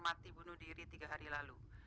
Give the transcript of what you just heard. mati bunuh diri tiga hari lalu